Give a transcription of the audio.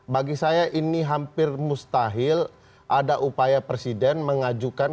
bagi saya ini hampir mustahil ada upaya presiden mengajukan